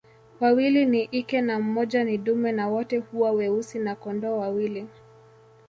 Wawili ni ike na mmoja ni dume na wote huwa weusi na kondoo wawili